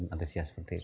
antusias seperti itu